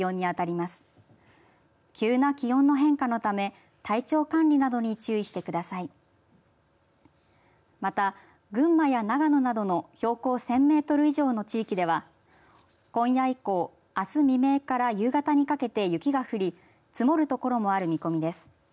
また、群馬や長野などの標高１０００メートル以上の地域では今夜以降、あす未明から夕方にかけて雪が降り積もる所もある見込みです。